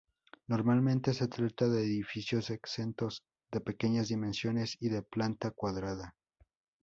Normalmente se trata de edificios exentos, de pequeñas dimensiones y de planta cuadrada.